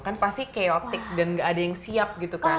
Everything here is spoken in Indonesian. kan pasti keotik dan gak ada yang siap gitu kan